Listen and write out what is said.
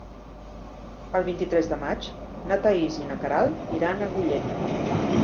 El vint-i-tres de maig na Thaís i na Queralt iran a Agullent.